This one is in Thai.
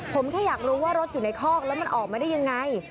ผมแค่อยากรู้ว่ารถอยู่ในคอกแล้วมันออกมาได้ยังไง